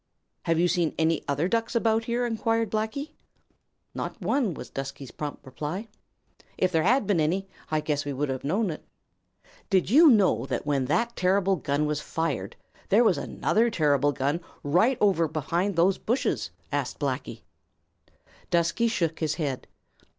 "Have you seen any other Ducks about here?" inquired Blacky. "Not one," was Dusky's prompt reply. "If there had been any, I guess we would have known it." "Did you know that when that terrible gun was fired there was another terrible gun right over behind those bushes?" asked Blacky. Dusky shook his head.